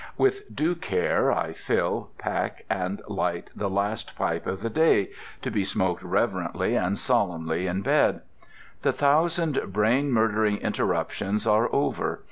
With due care I fill, pack, and light the last pipe of the day, to be smoked reverently and solemnly in bed. The thousand brain murdering interruptions are over.